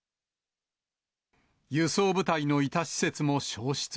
輸送部隊のいた施設も焼失。